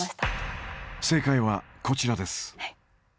正解はこちらです。